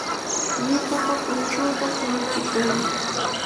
Ñuqapa punchuuqa quñuuchikunmi.